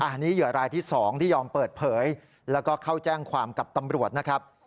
อันนี้เหยื่อรายที่๒ที่ยอมเปิดเผยแล้วก็เข้าแจ้งความกับตำรวจนะครับ